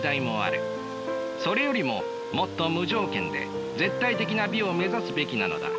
それよりももっと無条件で絶対的な美を目指すべきなのだ。